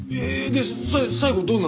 でそれ最後どうなるの？